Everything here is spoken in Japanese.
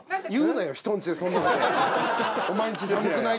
「お前んち寒くない？」